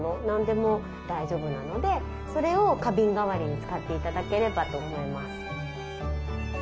何でも大丈夫なのでそれを花瓶代わりに使って頂ければと思います。